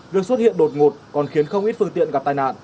việc xuất hiện đột ngột còn khiến không ít phương tiện gặp tai nạn